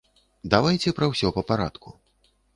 Давайце пра ўсё па парадку.